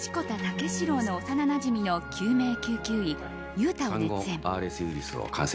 武四郎の幼なじみの救命救急医悠太を熱演。